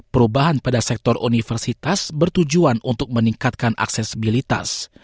perubahan pada sektor universitas bertujuan untuk meningkatkan aksesibilitas